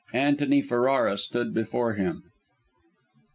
Antony Ferrara stood before him!